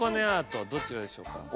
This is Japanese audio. アートどちらでしょうか？